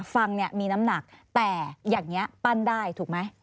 ฟังเนี่ยมีน้ำหนักแต่อย่างนี้ปั้นได้ถูกไหม